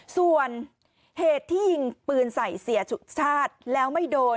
ส่วนเหตุที่ยิงปืนใส่เสียสุชาติแล้วไม่โดน